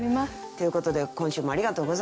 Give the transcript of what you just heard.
ということで今週もありがとうございました。